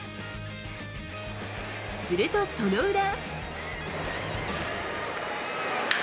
するとその裏。